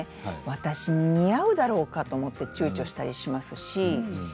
私に似合うだろうかと思ってちゅうちょしたりしますし。